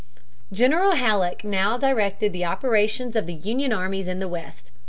General Halleck now directed the operations of the Union armies in the West.